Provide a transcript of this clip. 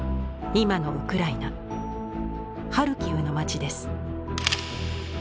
今のウクライナハルキウの町です。